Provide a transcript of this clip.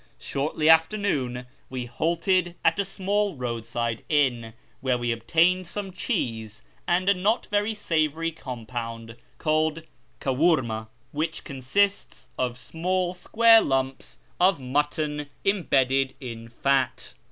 Shortly after noon we halted at a small roadside inn, where we obtained some cheese, and a not very savoury compound called kawTLirma, which consists of small square lumps of mutton imbedded in fat.